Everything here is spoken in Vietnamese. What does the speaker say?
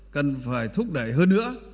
cần phải thúc đẩy hơn nữa